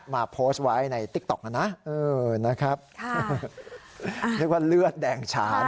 มาโพสต์ไว้ในติ๊กต๊อกนะเออนะครับเรียกว่าเลือดแดงฉาน